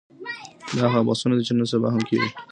دا هغه بحثونه دي چي نن سبا هم کېږي.